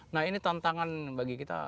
nah ini tantangan bagi kita